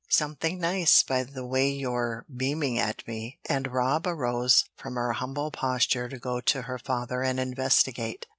Something nice, by the way you're beaming at me." And Rob arose from her humble posture to go to her father and investigate.